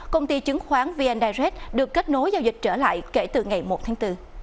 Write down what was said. công ty chứng khoán vn direct được kết nối giao dịch trở lại kể từ ngày một tháng bốn